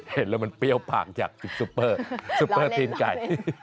เห็นแล้วมันเปรี้ยวปากจากซุปเปอร์ซุปเปอร์ตีนไก่